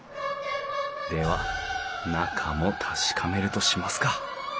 では中も確かめるとしますか。